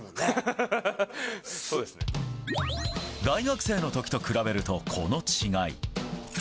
大学生の時と比べるとこの違い。